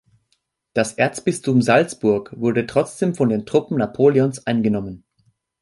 Das Erzbistum Salzburg wurde trotzdem von den Truppen Napoleons eingenommen.